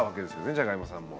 じゃがいもさんも。